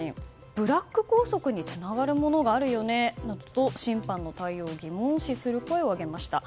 ブラック校則につながるものがあるよねなどと審判の対応を疑問視する声を上げました。